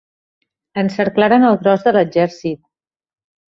Encerclaren el gros de l'exèrcit.